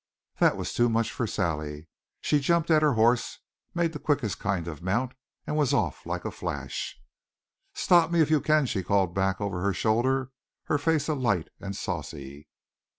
That was too much for Sally. She jumped at her horse, made the quickest kind of a mount, and was off like a flash. "Stop me if you can," she called back over her shoulder, her face alight and saucy.